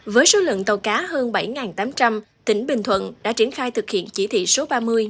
với số lượng tàu cá hơn bảy tám trăm linh tỉnh bình thuận đã triển khai thực hiện chỉ thị số ba mươi năm mươi một mươi tám